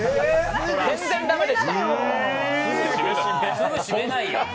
すぐ閉めないよ。